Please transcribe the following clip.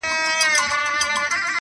محتسب به له قمچیني سره ښخ وي!!